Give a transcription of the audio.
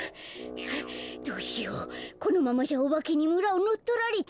どうしようこのままじゃおばけにむらをのっとられちゃうよ。